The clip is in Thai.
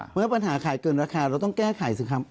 เมื่อปัญหาขายเกินราคาเราต้องแก้ไขสิครับ